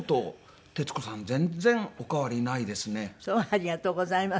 ありがとうございます。